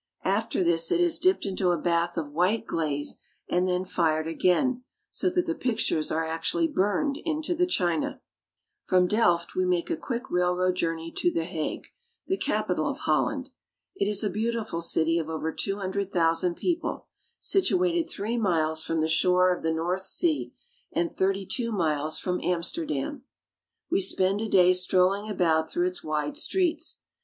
After this it is dipped into a bath of white glaze, and then fired again, so that the pictures are actually burned into the china. V'\i'' '•".*.'U^g 1 *•* Houses of Parliament, The Hague. From Delft we make a quick railroad journey to The Hague, the capital of Holland. It is a beautiful city of over two hundred thousand people, situated three miles IN THE DUTCH CITIES. 1 53 from the shore of the North Sea and thirty two miles from Amsterdam. We spend a day strolling about through its wide streets.